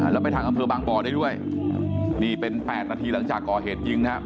แล้วไปทางอำเภอบางบ่อได้ด้วยนี่เป็น๘นาทีหลังจากก่อเหตุยิงนะครับ